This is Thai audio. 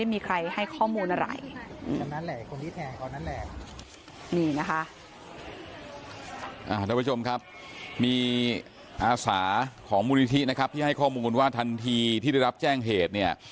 ท่านผู้ชมครับมีอาสาของมูลนิธินะครับที่ให้ข้อมูลว่าทันทีที่ได้รับแจ้งเหตุเนี่ย